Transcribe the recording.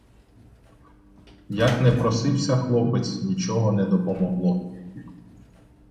Як не просився хлопець, нічого не допомогло.